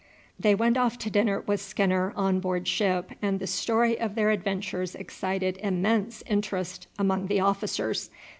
They went off to dinner with Skinner on board ship, and the story of their adventures excited immense interest among the officers.